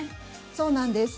そうなんです。